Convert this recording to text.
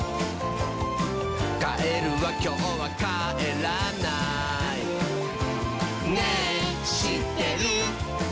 「カエルはきょうはかえらない」「ねぇしってる？」